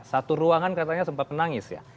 satu ruangan katanya sempat menangis ya